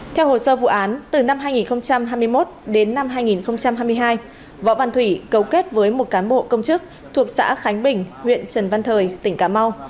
theo hồ sơ vụ án từ năm hai nghìn hai mươi một đến năm hai nghìn hai mươi hai võ văn thủy cấu kết với một cán bộ công chức thuộc xã khánh bình huyện trần văn thời tỉnh cà mau